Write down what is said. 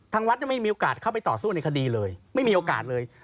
ทางวัดยังไม่มีโอกาสเข้าไปต่อสู้ในคดีเลยไม่มีโอกาสเลย